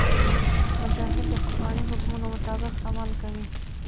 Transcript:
مجاهد د قرآني حکمونو مطابق عمل کوي.